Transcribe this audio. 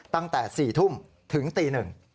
ตั้งแต่๔ทุ่มถึงตี๑